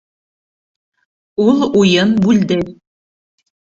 — Ул уйын бүлде.